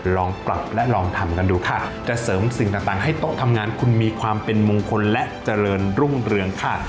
ลองปรับและลองทำกันดูค่ะจะเสริมสิ่งต่างให้โต๊ะทำงานคุณมีความเป็นมงคลและเจริญรุ่งเรืองค่ะ